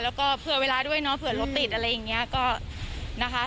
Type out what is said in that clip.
แล้วก็เผื่อเวลาด้วยเนาะเผื่อรถติดอะไรอย่างนี้ก็นะคะ